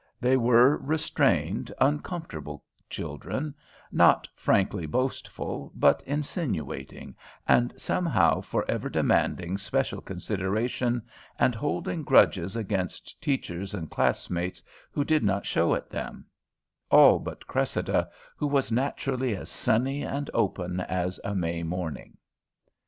They were restrained, uncomfortable children, not frankly boastful, but insinuating, and somehow forever demanding special consideration and holding grudges against teachers and classmates who did not show it them; all but Cressida, who was naturally as sunny and open as a May morning.